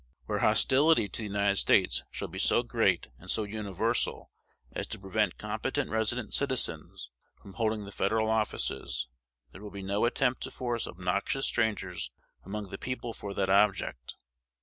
Where hostility to the United States shall be so great and so universal as to prevent competent resident citizens from holding the Federal offices, there will be no attempt to force obnoxious strangers among the people for that object.